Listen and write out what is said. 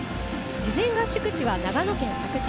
事前合宿地は長野県佐久市。